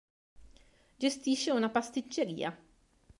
Gestisce una pasticceria